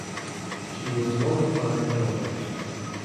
She was one of five daughters.